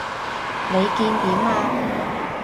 你見點啊？